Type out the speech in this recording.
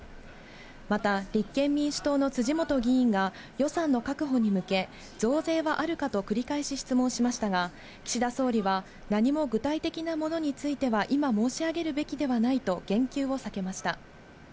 また立憲民主党の辻元議員が、予算の確保に向け、増税はあるかと繰り返し質問しましたが、岸田総理は、何も具体的なものについては、今、申し上げるべきではないと言及を避けました。